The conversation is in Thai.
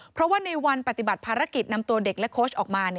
เพราะว่าในวันปฏิบัติภารกิจนำตัวเด็กและโค้ชออกมา